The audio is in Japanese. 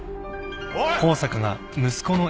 おい！